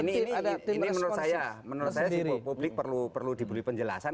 nah ini menurut saya publik perlu dibeli penjelasan